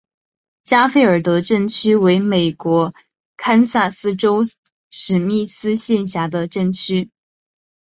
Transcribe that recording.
加菲尔德镇区为美国堪萨斯州史密斯县辖下的镇区。